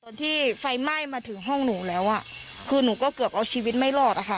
ที่ไฟไหม้มาถึงห้องหนูแล้วอ่ะคือหนูก็เกือบเอาชีวิตไม่รอดอะค่ะ